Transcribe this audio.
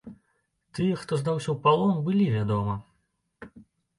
Тыя, хто здаўся ў палон, былі, вядома.